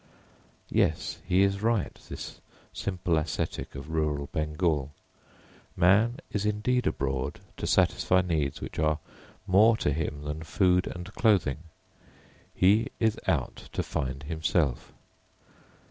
Yes, he is right, this simple ascetic of rural Bengal. Man is indeed abroad to satisfy needs which are more to him than food and clothing. He is out to find himself.